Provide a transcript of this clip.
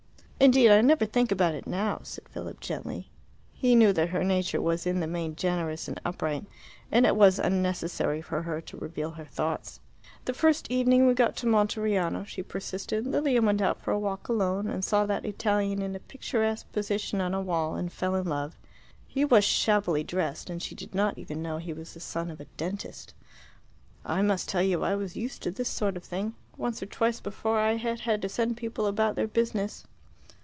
"Indeed I never think about it now," said Philip gently. He knew that her nature was in the main generous and upright: it was unnecessary for her to reveal her thoughts. "The first evening we got to Monteriano," she persisted, "Lilia went out for a walk alone, saw that Italian in a picturesque position on a wall, and fell in love. He was shabbily dressed, and she did not even know he was the son of a dentist. I must tell you I was used to this sort of thing. Once or twice before I had had to send people about their business."